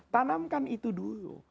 tanamkan itu dulu